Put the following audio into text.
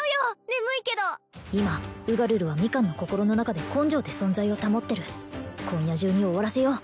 眠いけど今ウガルルはミカンの心の中で根性で存在を保ってる今夜中に終わらせよう！